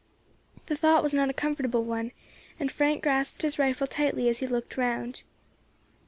The thought was not a comfortable one, and Frank grasped his rifle tightly as he looked round.